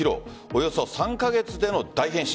およそ３カ月での大変身。